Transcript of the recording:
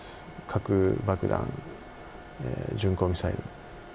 核爆弾、巡航ミサイル。